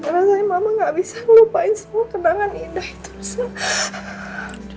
rasanya mama gak bisa melupain semua kenangan indah itu